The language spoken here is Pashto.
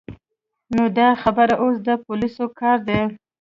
نو دا خبره اوس د پولیسو کار دی.